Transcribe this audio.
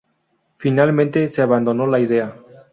Finalmente se abandonó la idea.